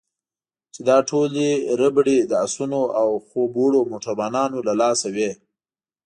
چې دا ټولې ربړې د اسونو او خوب وړو موټروانانو له لاسه وې.